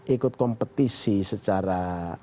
ikut kompetisi secara